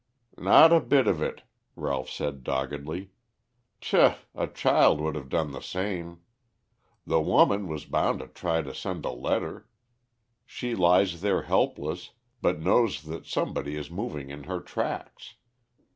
"Not a bit of it," Ralph said doggedly. "Pshaw, a child would have done the same. The woman was bound to try to send a letter. She lies there helpless, but knows that somebody is moving in her tracks.